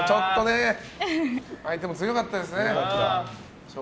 相手も強かったですね。